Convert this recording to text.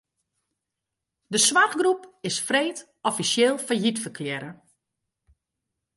De soarchgroep is freed offisjeel fallyt ferklearre.